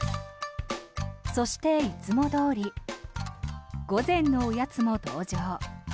そして、いつもどおり午前のおやつも登場。